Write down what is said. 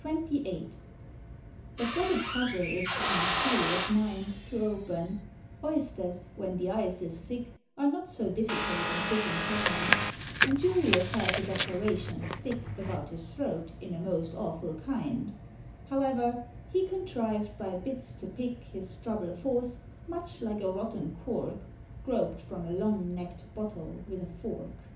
XXVIII. But what a puzzle is one's serious mind To open; oysters, when the ice is thick, Are not so difficult and disinclin'd; And Julio felt the declaration stick About his throat in a most awful kind; However, he contrived by bits to pick His trouble forth, much like a rotten cork Grop'd from a long necked bottle with a fork.